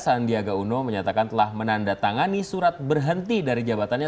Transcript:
sandiaga uno menyatakan telah menandatangani surat berhenti dari jabatannya